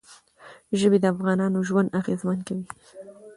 ژبې د افغانانو ژوند اغېزمن کوي.